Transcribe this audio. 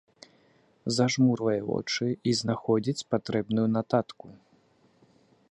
Зажмурвае вочы і знаходзіць патрэбную нататку.